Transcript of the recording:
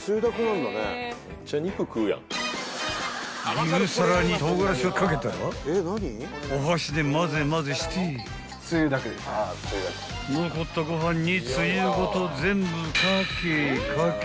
［牛皿に唐辛子を掛けたらお箸でまぜまぜして残ったご飯につゆごと全部掛け掛け］